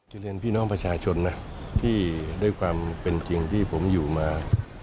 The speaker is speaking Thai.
เรียนพี่น้องประชาชนนะที่ด้วยความเป็นจริงที่ผมอยู่มา